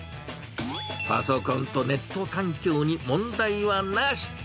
パソコンとネット環境に問題はなし。